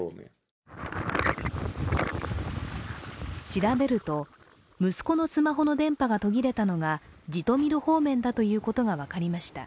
調べると、息子のスマホの電波が途切れたのがジトミル方面だということが分かりました。